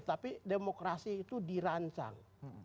tapi demokrasi itu dirancang